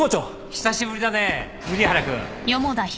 久しぶりだね瓜原君。